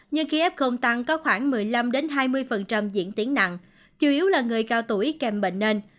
nhưng khi f tăng có khoảng một mươi năm hai mươi diễn tiến nặng chủ yếu là người cao tuổi kèm bệnh nền